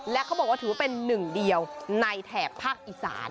และเขาบอกว่าถือว่าเป็นหนึ่งเดียวในแถบภาคอีสาน